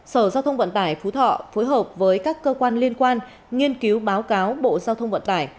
sở giao thông vận tải phú thọ phối hợp với các cơ quan liên quan nghiên cứu báo cáo bộ giao thông vận tải